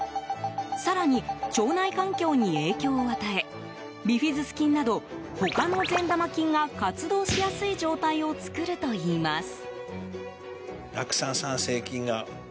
更に、腸内環境に影響を与えビフィズス菌など他の善玉菌が活動しやすい状態を作るといいます。